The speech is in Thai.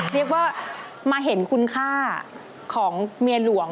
เรียกว่ามาเห็นคุณค่าของเมียหลวง